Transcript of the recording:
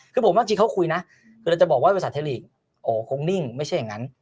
คือผมว่าจริงเขาคุยนะคือเราจะบอกว่าภาษาไทยลีกโอ้คงนิ่งไม่ใช่อย่างนั้น